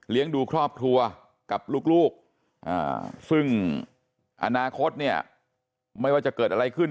ดูครอบครัวกับลูกซึ่งอนาคตเนี่ยไม่ว่าจะเกิดอะไรขึ้น